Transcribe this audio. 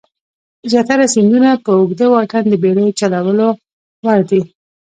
زیاتره سیندونه په اوږده واټن د بېړیو چلولو وړ دي.